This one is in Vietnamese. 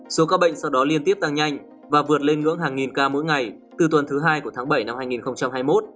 số ca bệnh sau đó liên tiếp tăng nhanh và vượt lên ngưỡng hàng nghìn ca mỗi ngày từ tuần thứ hai của tháng bảy năm hai nghìn hai mươi một